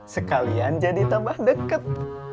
sekalian jadi tambah deket